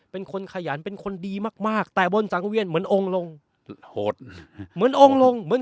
เป็นคนขยันเป็นคนดีมากมากแต่บนสังเวียนเหมือนองค์ลงโหดเหมือนองค์ลงเหมือน